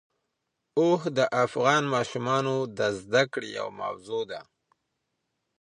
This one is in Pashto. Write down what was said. اوښ د افغان ماشومانو د زده کړې یوه موضوع ده.